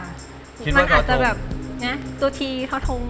มันอาจจะแบบอย่างนี้ตัวทีทอธง